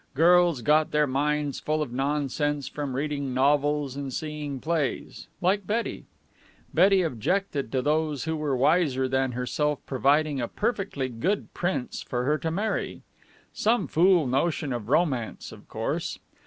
Girls got their minds full of nonsense from reading novels and seeing plays like Betty. Betty objected to those who were wiser than herself providing a perfectly good prince for her to marry. Some fool notion of romance, of course.